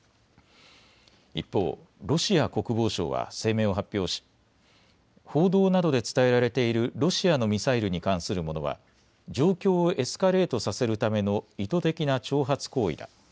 一方、ロシア国防省は声明を発表し報道などで伝えられているロシアのミサイルに関するものは状況をエスカレートさせるための意図的な挑発行為だ。